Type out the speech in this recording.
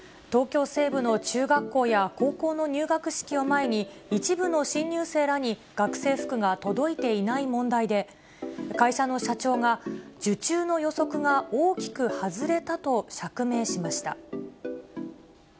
東京西部の中学校や高校の入学式を前に、一部の新入生らに学生服が届いていない問題で、会社の社長が受注の予測が大きく外れたと釈明しました。